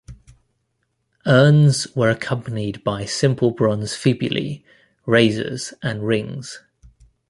Urns were accompanied by simple bronze fibulae, razors and rings.